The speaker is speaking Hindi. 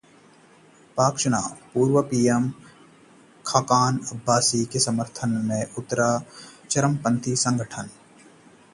पाक चुनाव: पूर्व पीएम खाकान अब्बासी के समर्थन में उतरा चरमपंथी संगठन